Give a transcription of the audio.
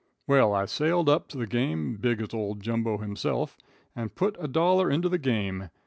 Well, I sailed up to the game, big as old Jumbo himself, and put a dollar into the game.